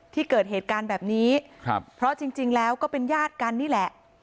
ที่เกิดเหตุการณ์แบบนี้ครับเพราะจริงแล้วก็เป็นญาติกันนี่แหละ